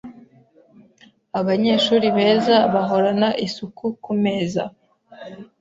Abanyeshuri beza bahorana isuku kumeza .